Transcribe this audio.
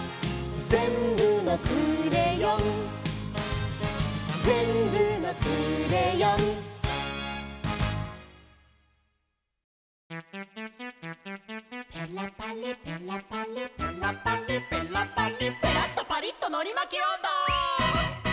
「ぜんぶのクレヨン」「ぜんぶのクレヨン」「ペラパリペラパリペラパリペラパリ」「ペラっとパリっとのりまきおんど！」